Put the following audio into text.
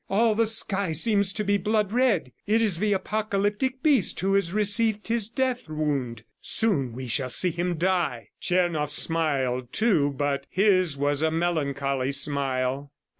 "All the sky seems to be blood red. ... It is the apocalyptic beast who has received his death wound. Soon we shall see him die." Tchernoff smiled, too, but his was a melancholy smile.